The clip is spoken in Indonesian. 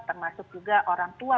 termasuk juga orang tua